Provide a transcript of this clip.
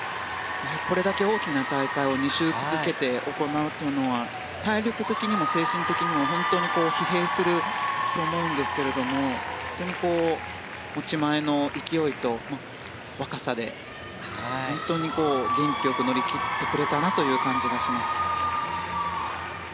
これだけ大きな大会を２週続けて行うというのは体力的にも精神的にも本当に疲弊すると思うんですが本当に持ち前の勢いと若さで本当に元気よく乗り切ってくれたなという感じがします。